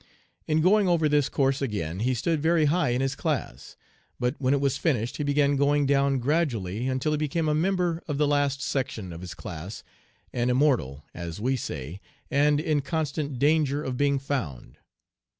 In going over this course again he stood very high in his class, but when it was finished he began going down gradually until he became a member of the last section of his class, an "immortal," as we say, and in constant danger of being "found."